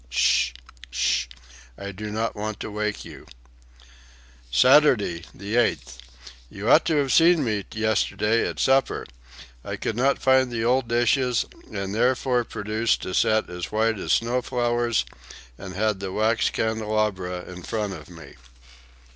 Sh! sh! sh! I do not want to wake you." "Saturday, the 8th. You ought to have seen me yesterday at supper! I could not find the old dishes and therefore produced a set as white as snow flowers and had the wax candelabra in front of me."